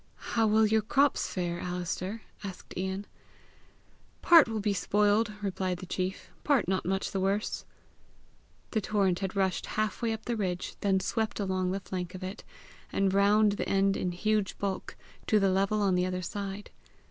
"How will your crops fare, Alister?" asked Ian. "Part will be spoiled," replied the chief; "part not much the worse." The torrent had rushed half way up the ridge, then swept along the flank of it, and round the end in huge bulk, to the level on the other side.